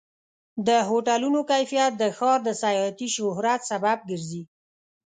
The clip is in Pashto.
د هوټلونو کیفیت د ښار د سیاحتي شهرت سبب ګرځي.